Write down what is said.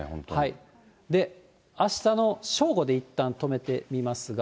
あしたの正午でいったん止めてみますが。